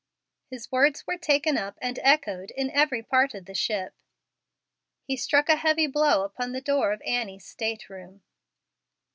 His words were taken up and echoed in every part of the ship. He struck a heavy blow upon the door of Annie's stateroom.